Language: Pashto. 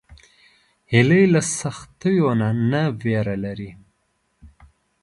هیلۍ له سختیو نه نه ویره لري